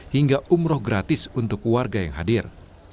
hingga umroh gratis untuk warga yang hadir